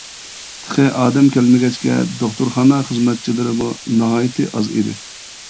تېخى ئادەم كەلمىگەچكە، دوختۇرخانا خىزمەتچىلىرىمۇ ناھايىتى ئاز ئىدى.